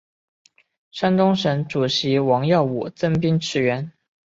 山东省主席王耀武增兵驰援。